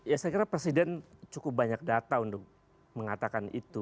ya saya kira presiden cukup banyak data untuk mengatakan itu